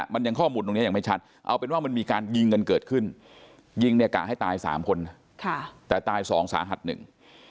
มันยังข้อมูลตรงเนี้ยยังไม่ชัดเอาเป็นว่ามันมีการยิงกันเกิดขึ้นยิงเนี่ยกะให้ตายสามคนค่ะแต่ตายสองสาหัสหนึ่ง